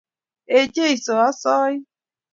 Ee Jeiso asain.